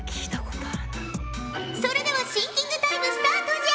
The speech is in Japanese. それではシンキングタイムスタートじゃ！